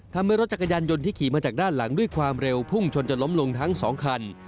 ทำให้รถจักรยานยนต์ที่ขี่มาจากด้านหลังด้วยความเร็วพุ่งชนจนล้มลงทั้งสองคัน